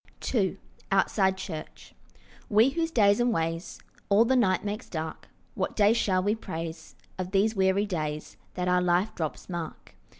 II OUTSIDE CHURCH WE whose days and ways All the night makes dark, What day shall we praise Of these weary days That our life drops mark?